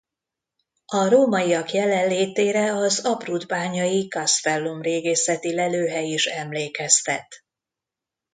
A rómaiak jelenlétére az abrudbányai castellum régészeti lelőhely is emlékeztet.